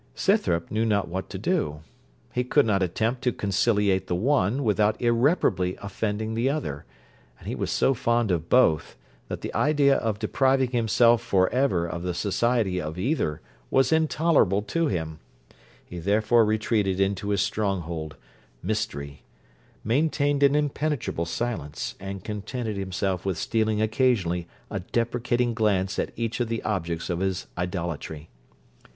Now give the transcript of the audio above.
Scythrop knew not what to do. He could not attempt to conciliate the one without irreparably offending the other; and he was so fond of both, that the idea of depriving himself for ever of the society of either was intolerable to him: he therefore retreated into his stronghold, mystery; maintained an impenetrable silence; and contented himself with stealing occasionally a deprecating glance at each of the objects of his idolatry.